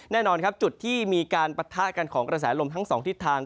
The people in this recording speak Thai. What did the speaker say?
แน่นอนครับจุดที่มีการปะทะกันของกระแสลมทั้งสองทิศทาง